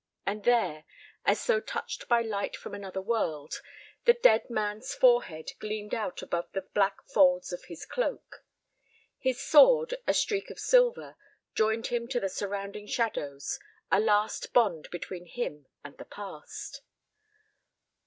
And there, as though touched by light from another world, the dead man's forehead gleamed out above the black folds of his cloak. His sword, a streak of silver, joined him to the surrounding shadows, a last bond between him and the past.